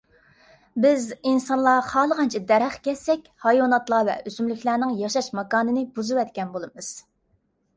بىز ئىنسانلار خالىغانچە دەرەخ كەسسەك، ھايۋاناتلار ۋە ئۆسۈملۈكلەرنىڭ ياشاش ماكانىنى بۇزۇۋەتكەن بولىمىز.